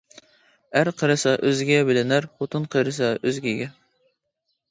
ئەر قېرىسا ئۆزىگە بىلىنەر، خوتۇن قېرىسا ئۆزگىگە.